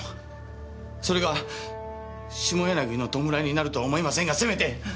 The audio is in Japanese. それが下柳の弔いになるとは思いませんがせめて！